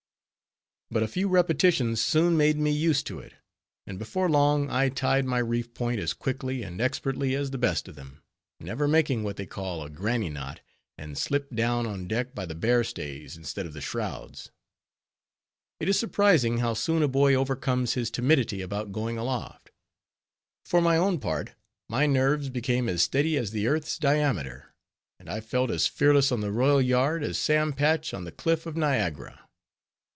But a few repetitions, soon made me used to it; and before long, I tied my reef point as quickly and expertly as the best of them; never making what they call a "granny knot," and slipt down on deck by the bare stays, instead of the shrouds. It is surprising, how soon a boy overcomes his timidity about going aloft. For my own part, my nerves became as steady as the earth's diameter, and I felt as fearless on the royal yard, as Sam Patch on the cliff of Niagara.